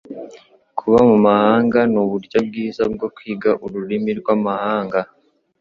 Kuba mu mahanga nuburyo bwiza bwo kwiga ururimi rwamahanga.